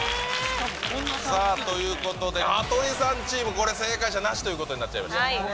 さあ、ということで、羽鳥さんチーム、これ正解者なしということになっちゃいました。